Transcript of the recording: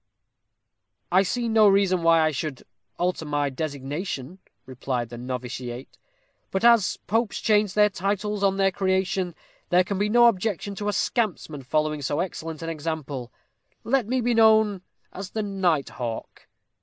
"I see no reason why I should alter my designation," replied the noviciate; "but as popes change their titles on their creation, there can be no objection to a scampsman following so excellent an example. Let me be known as the Night Hawk."